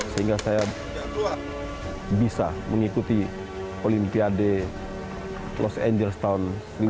sehingga saya bisa mengikuti olimpiade los angeles tahun seribu sembilan ratus lima puluh